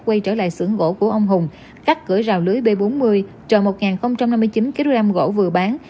quay trở lại xưởng gỗ của ông hùng cắt cửa rào lưới b bốn mươi chờ một năm mươi chín kg gỗ vừa bán